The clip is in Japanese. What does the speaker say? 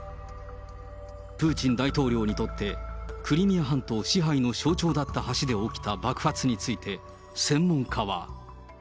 プーチン大統領にとって、クリミア半島支配の象徴だった橋で起きた爆発について、専門家は。